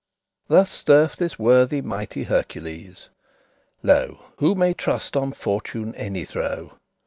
Thus sterf* this worthy mighty Hercules. *died Lo, who may trust on Fortune *any throw?